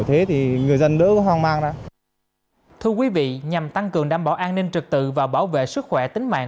thưa quý vị nhằm tăng cường đảm bảo an ninh trực tự và bảo vệ sức khỏe tính mạng